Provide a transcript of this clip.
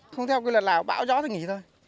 không theo cái lần nào bão gió thì nghỉ thôi